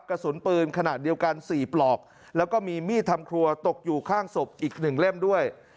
กระสุนปืนขนาดเดียวกัน๔ปลอกแล้วก็มีมีดทำครัวตกอยู่ข้างศพอีก๑เล่มด้วย